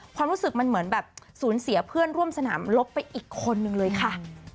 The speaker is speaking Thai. ความรู้สึกมันเหมือนแบบสูญเสียเพื่อนร่วมสนามลบไปอีกคนนึงเลยค่ะ